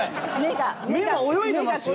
目が泳いでますよ！